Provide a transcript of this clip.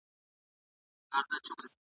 که پوهه نه وي جهالت وي.